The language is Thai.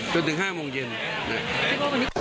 จนถึง๕โมงเย็น